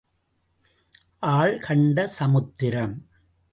ஆள் கண்ட சமுத்திரம்.